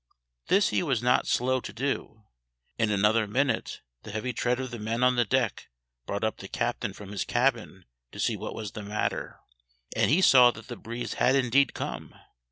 This he was not slow to do. In another minute the heavy tread of the men on the deck brought up the captain from his cabin to see what was the matter; and he saw that the breeze had indeed come.